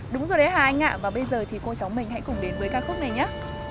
đúng rồi đấy hà anh ạ và bây giờ thì cô cháu mình hãy cùng đến với ca khúc này nhé